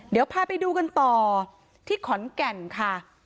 เดี๋ยวพาไปดูกันต่อที่ขอนแก่นค่ะ